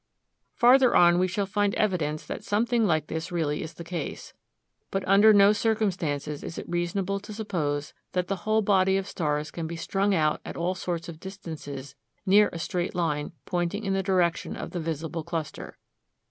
Farther on we shall find evidence that something like this really is the case. But under no circumstances is it reasonable to suppose that the whole body of stars can be strung out at all sorts of distances near a straight line pointing in the direction of the visible cluster.